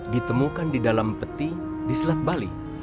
ditemukan di dalam peti di selat bali